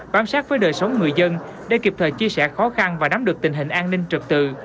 bám sát với đời sống người dân để kịp thời chia sẻ khó khăn và nắm được tình hình an ninh trực tự